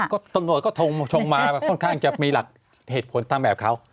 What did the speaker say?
ก็ตำรวจก็ทงมาค่อนข้างจะมีหลักเหตุผลตามแบบเขา